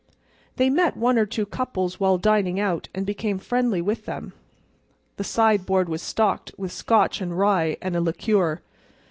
They met one or two couples while dining out and became friendly with them. The sideboard was stocked with Scotch and rye and a liqueur.